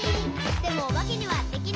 「でもおばけにはできない。」